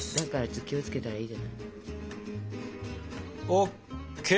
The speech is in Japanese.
気を付けたらいいじゃない。ＯＫ！